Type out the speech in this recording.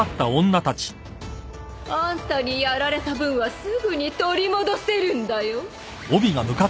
あんたにやられた分はすぐに取り戻せるんだよ。